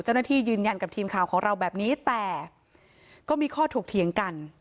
ยืนยันกับทีมข่าวของเราแบบนี้แต่ก็มีข้อถกเถียงกัน